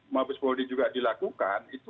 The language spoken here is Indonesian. mabes polri juga dilakukan